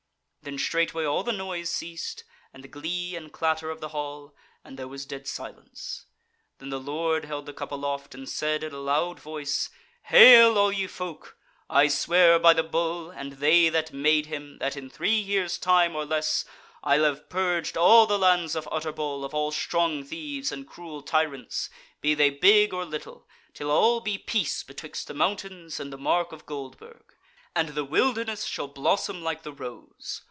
Then straightway all the noise ceased, and the glee and clatter of the hall, and there was dead silence. Then the Lord held the cup aloft and said in a loud voice: "Hail, all ye folk! I swear by the Bull, and they that made him, that in three years' time or less I will have purged all the lands of Utterbol of all strong thieves and cruel tyrants, be they big or little, till all be peace betwixt the mountains and the mark of Goldburg; and the wilderness shall blossom like the rose.